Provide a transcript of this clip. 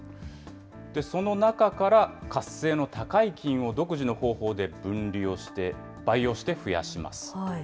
その中から活性の高い菌を独自の方法で分離をして、培養して増やします。